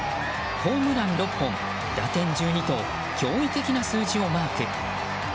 ホームラン６本、打点１２と驚異的な数字をマーク。